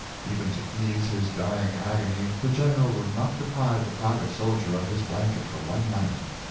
Even to ease his dying agony the general would not deprive the private soldier of his blanket for one night.